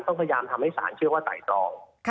ต้องพยายามทำให้ศาลเชื่อว่าไตรตรอง